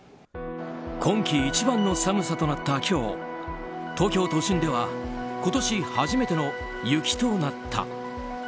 今季一番の寒さとなった今日東京都心では今年初めての雪となった。